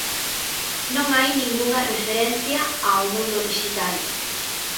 Non hai ningunha referencia ao mundo dixital.